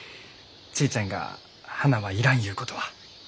ちぃちゃんが花は要らんゆうことは。